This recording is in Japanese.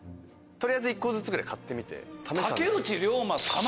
取りあえず１個ずつぐらい買ってみて試したんです。